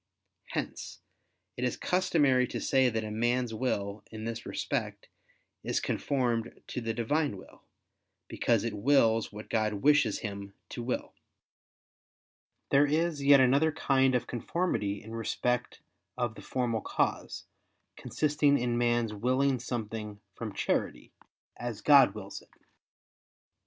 Hence it is customary to say that a man's will, in this respect, is conformed to the Divine will, because it wills what God wishes him to will. There is yet another kind of conformity in respect of the formal cause, consisting in man's willing something from charity, as God wills it.